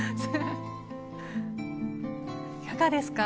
いかがですか。